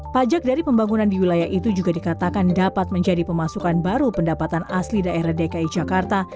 pajak dari pembangunan di wilayah itu juga dikatakan dapat menjadi pemasukan baru pendapatan asli daerah dki jakarta